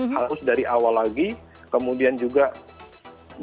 karena posisi mereka kan ada peringkat yang cukup tinggi